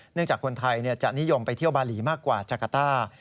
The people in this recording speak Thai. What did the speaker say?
จากคนไทยจะนิยมไปเที่ยวบาหลีมากกว่าจักรต้า